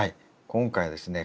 今回はですね